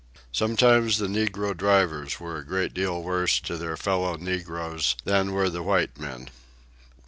Sometimes the negro drivers were a great deal worse to their fellow negroes than were the white men.